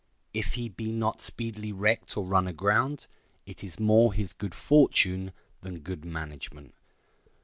If he be not speedily wrecked or run aground, it is more his good fortune than good management.